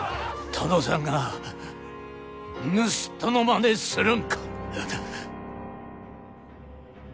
殿さんが盗人のまねするんか！